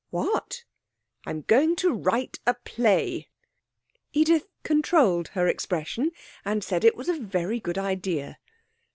'What?' 'I'm going to write a play.' Edith controlled her expression, and said it was a very good idea.